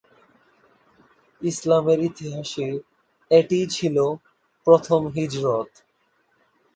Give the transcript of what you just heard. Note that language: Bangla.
ইসলামের ইতিহাসে এটাই ছিল "প্রথম হিজরত"।